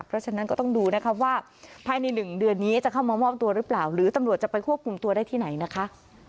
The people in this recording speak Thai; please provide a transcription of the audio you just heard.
เพราะฉะนั้นก็ต้องดูนะคะว่าภายใน๑เดือนนี้จะเข้ามามอบตัวหรือเปล่าหรือตำรวจจะไปควบคุมตัวได้ที่ไหนนะคะ